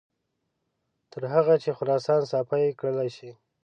تر هغه چې خراسان صافي کړل شي.